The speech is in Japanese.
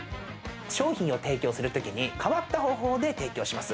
商品を提供するときに変わった方法で提供します。